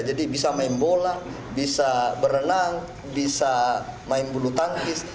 jadi bisa main bola bisa berenang bisa main bulu tangkis